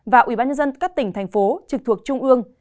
và ubnd các tỉnh thành phố trực thuộc trung ương